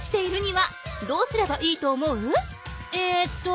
えーっと。